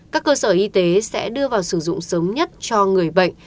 các cơ sở y tế sẽ đưa vào sử dụng sớm nhất cho người bệnh